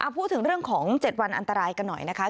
พูดถึงเรื่องของ๗วันอันตรายกันหน่อยนะคะ